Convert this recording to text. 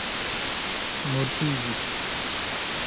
mortigis